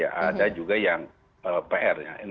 ada juga yang pr